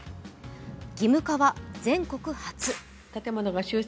義務化は、全国初。